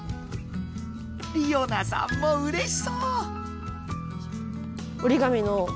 りおなさんもうれしそう！